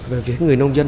và về người nông dân